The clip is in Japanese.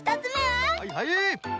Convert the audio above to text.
はいはい！